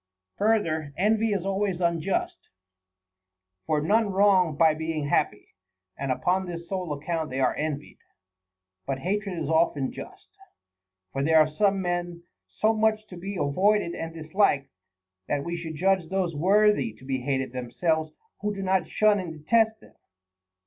5. Further, envy is always unjust; for none wrong by being happy, and upon this sole account they are envied. But hatred is often just ; for there are some men so much to be avoided and disliked, that we should judge those worthy to be hated themselves who do not shun and detest them.